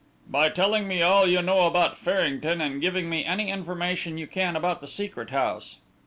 "By telling me all you know about Farrington and giving me any information you can about the Secret House.